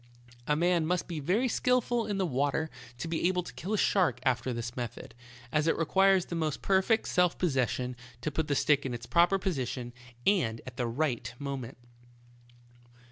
A man must be very skillful in the water to be able to kill a shark after this method, as it requires the most perfect self posses sion to put the stick in its proper position, and at the right moment.